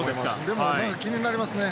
でも、気になりますね。